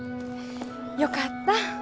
よかった。